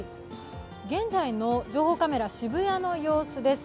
現在の情報カメラ、渋谷の様子です。